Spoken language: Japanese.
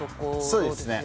そうですね